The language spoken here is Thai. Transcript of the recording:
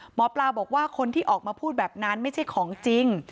หมอปลาบอกว่าคนที่ออกมาพูดแบบนั้นไม่ใช่ของจริง